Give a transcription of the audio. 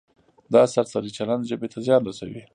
دا سرسري چلند ژبې ته زیان رسوي.